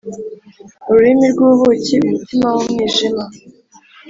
ururimi rwubuki, umutima wumwijima.